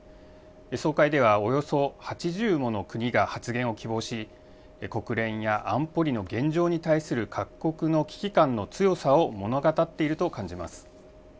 総会ではおよそ８０もの国が発言を希望し、国連や安保理の現状に対する各国の危機感の強さを物語っていると感じます。